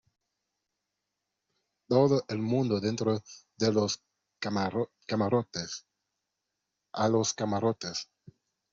¡ todo el mundo dentro de los camarotes! ¡ a los camarotes !